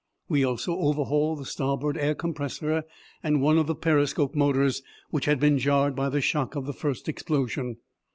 We also overhauled the starboard air compressor and one of the periscope motors which had been jarred by the shock of the first explosion.